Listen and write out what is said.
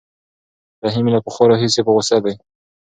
رحیم له پخوا راهیسې په غوسه دی.